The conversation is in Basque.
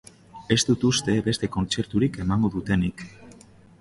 Ez du uste beste kontzerturik emango dutenik.